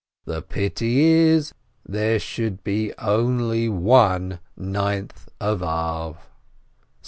"The pity is, there should be only one Ninth of Ab